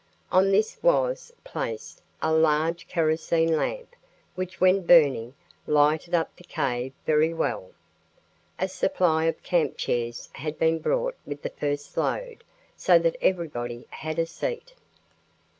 On this was placed a large kerosene lamp, which, when burning, lighted up the cave very well. A supply of camp chairs had been brought with the first load, so that everybody had a seat.